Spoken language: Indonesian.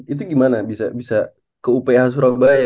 itu gimana bisa ke uph surabaya